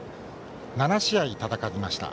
７試合戦いました。